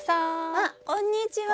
あっこんにちは。